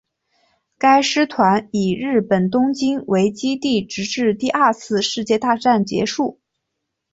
该师团以日本东京为基地直至第二次世界大战结束。